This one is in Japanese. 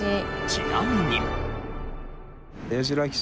ちなみに。